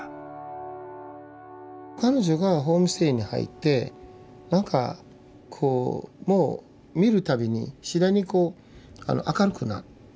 彼女がホームステイに入ってなんかこうもう見る度に次第にこう明るくなってきたんですよね。